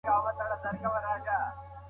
تاسي باید د خپل وطن له نعمتونو مننه وکړئ.